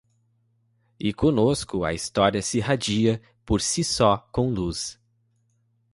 E conosco a história se irradia por si só com luz